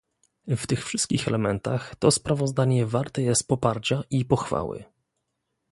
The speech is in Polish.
W tych wszystkich elementach to sprawozdanie warte jest poparcia i pochwały